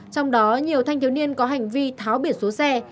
trong đó nhiều thanh thiếu niên có hành vi tháo biển số xe